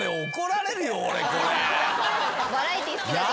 バラエティー好きだから。